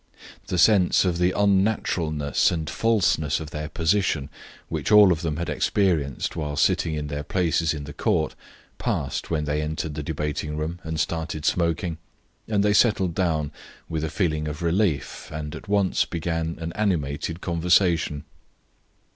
The sense of the unnaturalness and falseness of their position, which all of them had experienced while sitting in their places in the court, passed when they entered the debating room and started smoking, and they settled down with a feeling of relief and at once began an animated conversation.